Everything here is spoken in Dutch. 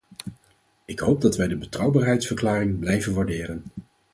Ik hoop dat wij de betrouwbaarheidsverklaring blijven waarderen.